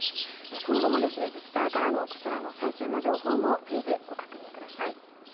今後も自治体からの最新情報も随時、ご確認ください。